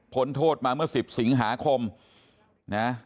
โทษมาเมื่อ๑๐สิงหาคมนะ